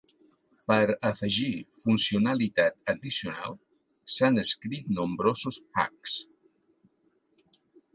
Per afegir funcionalitat addicional s'han escrit nombrosos "hacks".